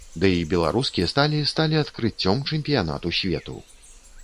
Дый беларускі сталі сталі адкрыццём чэмпіянату свету.